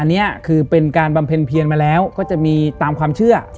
อันนี้คือเป็นการบำเพ็ญเพียนมาแล้วก็จะมีตามความเชื่อ